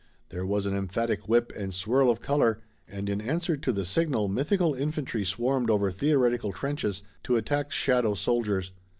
There was an emphatic whip and swirl of color, and in answer to the signal mythical infantry swarmed over theoretical trenches to attack shadow soldiers.